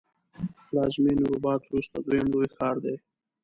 د پلازمېنې رباط وروسته دویم لوی ښار دی.